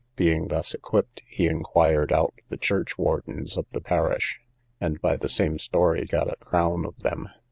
Being thus equipped, he inquired out the churchwardens of the parish, and by the same story got a crown of them.